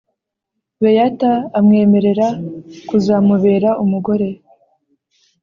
beyata amwemerera kuzamubera umugore.